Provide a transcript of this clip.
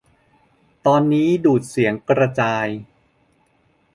ตอนนี้ ดูดเสียงกระจาย